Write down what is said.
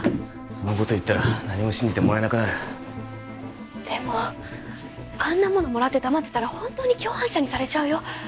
そんなこと言ったら何も信じてもらえなくなるでもあんなものもらって黙ってたらホントに共犯者にされちゃうよ